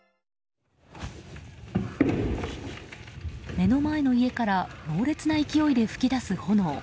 目の前の家から猛烈な勢いで噴き出す炎。